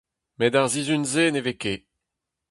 Met ar sizhun-se ne vez ket.